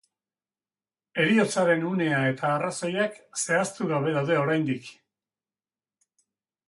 Heriotzaren unea eta arrazoiak zehaztu gabe daude oraindik.